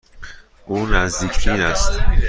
او نزدیک بین است.